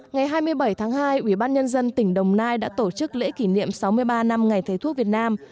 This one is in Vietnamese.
ngày hai mươi bảy tháng hai ủy ban nhân dân tỉnh đồng nai đã tổ chức lễ kỷ niệm sáu mươi ba năm ngày thầy thuốc việt nam